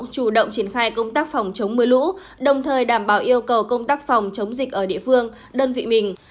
chủ động triển khai công tác phòng chống mưa lũ đồng thời đảm bảo yêu cầu công tác phòng chống dịch ở địa phương đơn vị mình